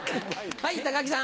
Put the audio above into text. はい木さん。